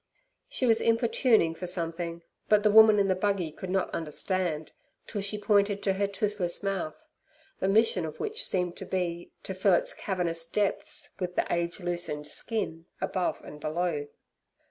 She was importuning for something, but the woman in the buggy could not understand till she pointed to her toothless mouth (the mission of which seemed to be, to fill its cavernous depths with the age loosened skin above and below).